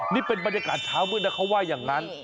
นี่เป็นบรรยากาศเช้ามืดนะเขาว่าอย่างนั้น